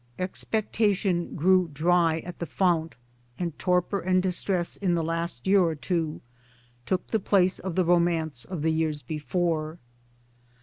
Expectation grew dry at the fount, and torpor and distress in the last year or two took the place of the romance of the years before.